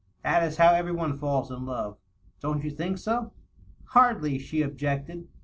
That is how every one falls in love ; don't you think so?" "Hardly," she objected.